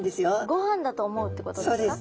ごはんだと思うってことですか？